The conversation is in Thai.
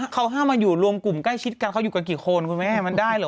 เขาห้ามมาอยู่รวมกลุ่มใกล้ชิดกันเขาอยู่กันกี่คนคุณแม่มันได้เหรอ